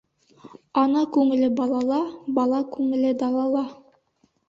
Ана күңеле балала, бала күңеле далала.